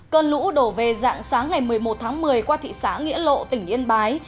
cơn lũ đổ về dạng sáng ngày một mươi một tháng một mươi qua thị xã nghĩa lộ tỉnh yên bái